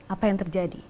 apa yang terjadi